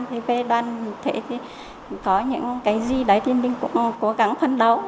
thì về đoàn thể thì có những cái gì đấy thì mình cũng cố gắng phân đấu